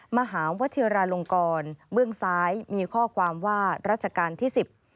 มหาวชิราลงกรเบื้องซ้ายมีข้อความว่ารัชกาลที่สิบ